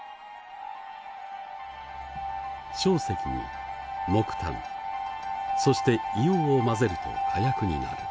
硝石に木炭そして硫黄を混ぜると火薬になる。